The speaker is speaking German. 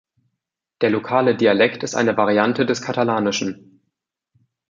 Der lokale Dialekt ist eine Variante des Katalanischen.